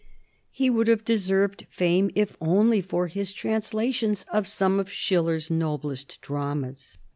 He would have deserved fame if only for his translations of some of Schiller's noblest dramas.